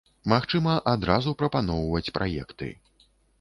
Магчыма, адразу прапаноўваць праекты.